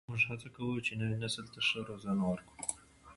موږ هڅه کوو چې نوي نسل ته ښه روزنه ورکړو.